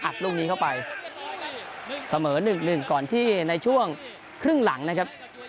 ลูกนี้เข้าไปเสมอ๑๑ก่อนที่ในช่วงครึ่งหลังนะครับ